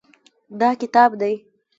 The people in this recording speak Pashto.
دا کتاب دی.